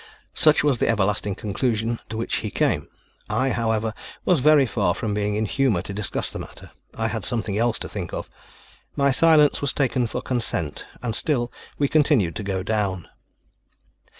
Such was the everlasting conclusion to which he came. I, however, was very far from being in humor to discuss the matter. I had something else to think of. My silence was taken for consent; and still we continued to go down.